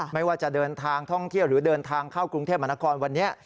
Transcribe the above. ไม่ว่าจะเดินทางท่องเที่ยวหรือเดินทางเข้ากรุงเทพมหานครวันนี้